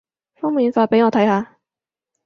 封面發畀我睇下